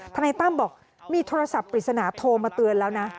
นายตั้มบอกมีโทรศัพท์ปริศนาโทรมาเตือนแล้วนะ